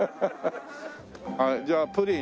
はいじゃあプリン。